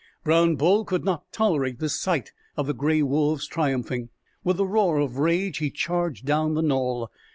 Brown Bull could not tolerate the sight of the gray wolves triumphing. With a roar of rage he charged down the knoll.